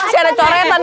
saya ada coretan